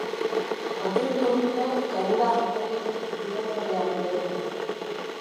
Atertu orduko, kalera joko dut Bidegorrian behera.